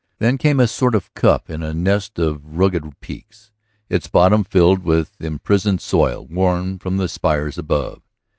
Then came a sort of cup in a nest of rugged peaks, its bottom filled with imprisoned soil worn from the spires above.